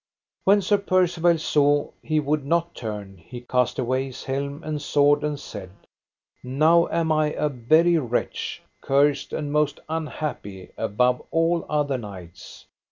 When Sir Percivale saw he would not turn he cast away his helm and sword, and said: Now am I a very wretch, cursed and most unhappy above all other knights.